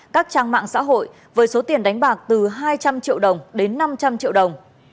các trang mạng xã hội với số tiền đánh bạc từ hai trăm linh triệu đồng đến năm trăm linh triệu đồng